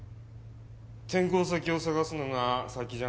転校先を探すのが先じゃないのかね？